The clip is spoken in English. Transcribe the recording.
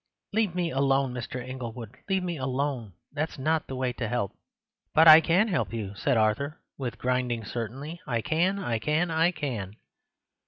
"Leave me alone, Mr. Inglewood—leave me alone; that's not the way to help." "But I can help you," said Arthur, with grinding certainty; "I can, I can, I can..."